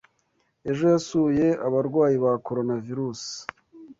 Ejo yasuye abarwayi ba Coronavirus